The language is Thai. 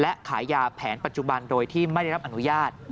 และขายยาแผนปัจจุบันโดยที่ไม่ได้รับอนุญาต